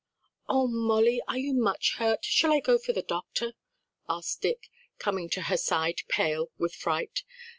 "Oh, Molly, are you much hurt? shall I go for the doctor?" asked Dick, coming to her side pale with fright.